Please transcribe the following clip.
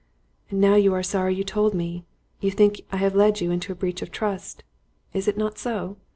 "And now you are sorry you told me; you think I have led you into a breach of trust. Is it not so?"